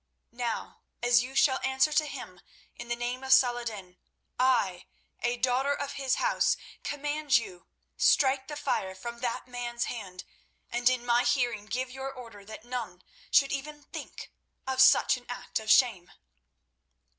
Now, as you shall answer to him, in the name of Saladin I, a daughter of his House, command you, strike the fire from that man's hand, and in my hearing give your order that none should even think of such an act of shame."